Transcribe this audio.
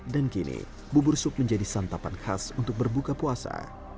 dan kini bubur sup menjadi santapan khas untuk berbuka puasa